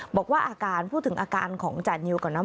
บอกว่าอาการพูดถึงอาการของจานิวก่อนนะ